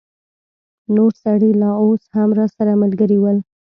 نور سړي لا اوس هم راسره ملګري ول.